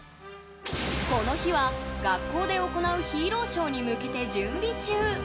この日は学校で行うヒーローショーに向けて準備中。